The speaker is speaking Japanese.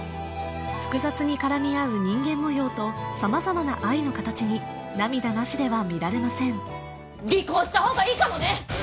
複雑に絡み合う人間模様と様々な愛の形に涙なしでは見られません離婚した方がいいかもね！